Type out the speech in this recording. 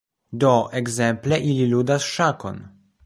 Do, ekzemple ili ludas ŝakon